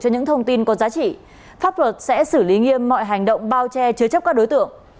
những thông tin có giá trị pháp luật sẽ xử lý nghiêm mọi hành động bao che chứa chấp các đối tượng